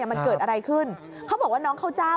มันเกิดอะไรขึ้นเขาบอกว่าน้องข้าวเจ้า